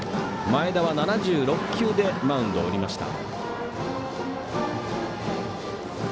前田は７６球でマウンドを降りました。